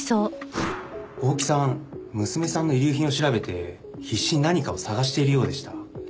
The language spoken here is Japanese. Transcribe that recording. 大木さん娘さんの遺留品を調べて必死に何かを捜しているようでした。